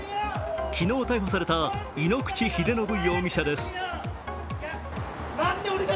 昨日逮捕された井ノ口秀信容疑者です。